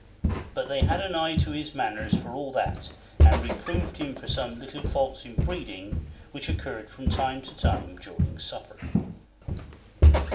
But they had an eye to his manners for all that, and reproved him for some little faults in breeding, which occurred from time to time during supper.